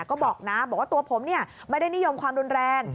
ก็บอกนะบอกว่าตัวผมไม่ได้นิยมความรุนแรง